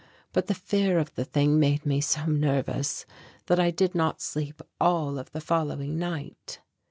But the fear of the thing made me so nervous that I did not sleep all of the following night.